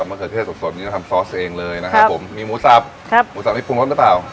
มะเขือเทศสดนี่ทำซอสเองเลยนะครับมีหมูจับหมูจับมีปรุงรสหรือป่าว